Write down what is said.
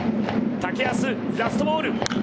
竹安、ラストボール。